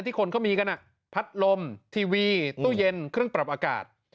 คนเขามีกันพัดลมทีวีตู้เย็นเครื่องปรับอากาศ